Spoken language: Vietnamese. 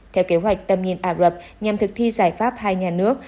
theo kế hoạch tầm nhìn ả rập nhằm thực thi giải pháp hai nhà nước